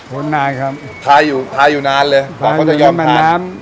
ผ่านนานครับท้ายอยู่ท้ายอยู่นานเลยต่อเขาจะยอมทาน